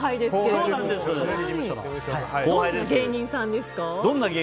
どんな芸人さんですか？